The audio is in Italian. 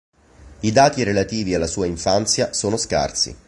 I dati relativi alla sua infanzia sono scarsi.